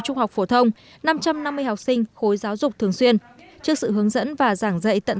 trung học phổ thông năm trăm năm mươi học sinh khối giáo dục thường xuyên trước sự hướng dẫn và giảng dạy tận